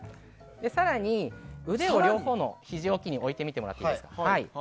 更に腕を両方のひじ置きに置いてもらっていいですか。